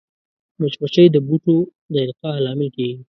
مچمچۍ د بوټو د القاح لامل کېږي